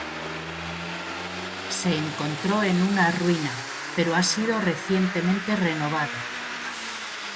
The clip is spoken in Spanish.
Se encontró en una ruina, pero ha sido recientemente renovado.